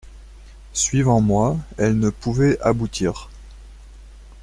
Suivant moi, elle ne pouvait aboutir.